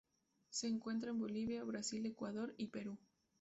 Se encuentra en Bolivia, Brasil, Ecuador y Perú.